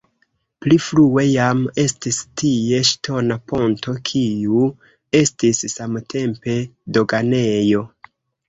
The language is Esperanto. Pli frue jam estis tie ŝtona ponto, kiu estis samtempe doganejo.